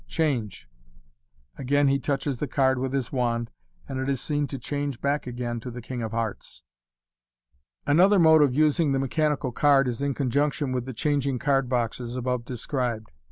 Change !" Again he touches the card with his wand, and it is seen to change back again to the king of hearts. Another mode of using the mechanical card is in conjunction with the changing card boxes, above described.